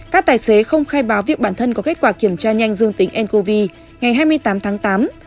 các tài xế không khai báo việc bản thân có kết quả kiểm tra nhanh dương tính ncov ngày hai mươi tám tháng tám